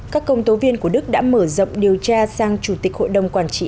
các công tố viên của đức đã mở rộng điều tra sang chủ tịch hội đồng quản trị